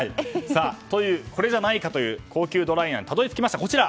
これじゃないかという高級ドライヤーにたどり着きました。